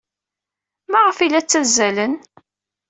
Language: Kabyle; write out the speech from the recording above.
Maɣef ay la ttazzalen?